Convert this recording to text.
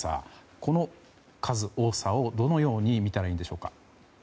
この数、多さをどのように見たらいいんでしょうか。